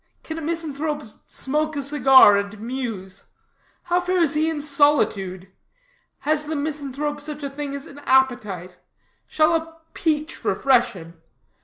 Can a misanthrope smoke a cigar and muse? How fares he in solitude? Has the misanthrope such a thing as an appetite? Shall a peach refresh him?